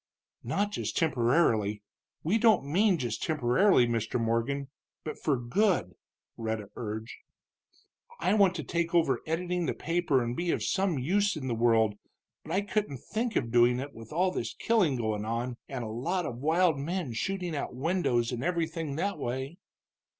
"Not just temporarily, we don't mean just temporarily, Mr. Morgan, but for good," Rhetta urged. "I want to take over editing the paper and be of some use in the world, but I couldn't think of doing it with all this killing going on, and a lot of wild men shooting out windows and everything that way."